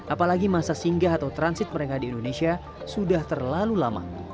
apalagi masa singgah atau transit mereka di indonesia sudah terlalu lama